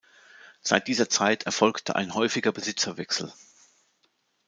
Seit dieser Zeit erfolgte ein häufiger Besitzerwechsel.